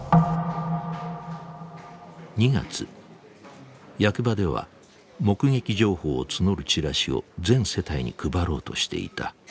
２月役場では目撃情報を募るチラシを全世帯に配ろうとしていた。